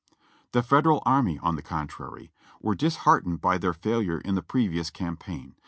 The Federal army, on the contrary, were disheartened by their failure in the previous campaign.